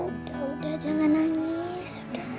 udah udah jangan nangis